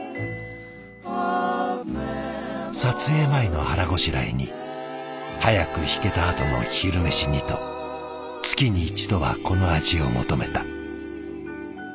撮影前の腹ごしらえに早く引けたあとの昼メシにと月に一度はこの味を求めた。